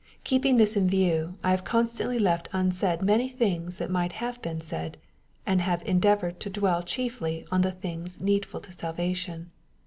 Keeping this in view, I have constantly left unsaid many things that might have been said, and have endeavored to dweL chiefly on the things needful to salvation.